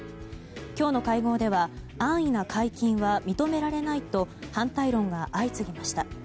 今日の会合では安易な解禁は認められないと反対論が相次ぎました。